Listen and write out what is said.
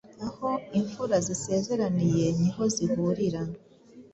Aho imfura zisezeraniye ni ho zihurira.